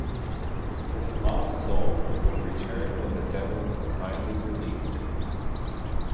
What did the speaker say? His lost soul will return when the devil has kindly released it.